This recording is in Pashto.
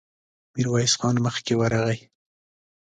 ميرويس خان مخکې ورغی.